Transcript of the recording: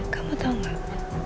kamu tau gak